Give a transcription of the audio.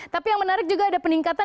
tapi yang menarik juga ada peningkatan